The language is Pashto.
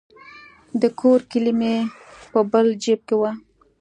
د کور کیلي مې په بل جیب کې وه.